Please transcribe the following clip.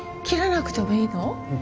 切らなくてもいいの？